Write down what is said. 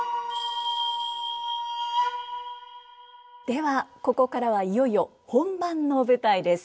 ではここからはいよいよ本番の舞台です。